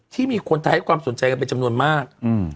ที่มีคนไทยให้ความสนใจกันเป็นจำนวนมาก